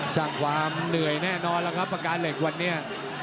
สร้างความเหนื่อยแน่นอนแล้วครับประการเหล็กวันนี้